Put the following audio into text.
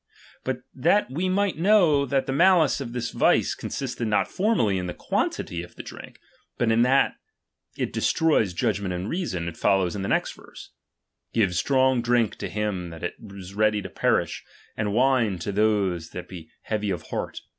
But that we might know that the malice of this vice consisted not formally in the quantity of the drink, but in that it destroys judgment and reason, it follows in the next verse : Give strong drink to him that is ready to perish, and wine to those that be heavy of heart.